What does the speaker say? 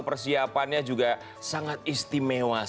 persiapannya juga sangat istimewa